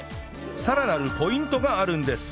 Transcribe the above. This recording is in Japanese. さらなるポイントがあるんです